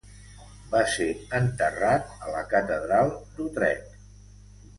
Va ser enterrat a la catedral d'Utrecht.